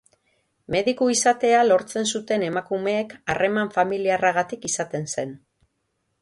Mediku izatea lortzen zuten emakumeek harreman familiarragatik izaten zen.